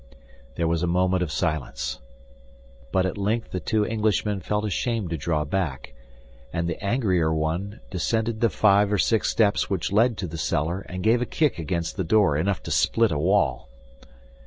There was a moment of silence; but at length the two Englishmen felt ashamed to draw back, and the angrier one descended the five or six steps which led to the cellar, and gave a kick against the door enough to split a wall.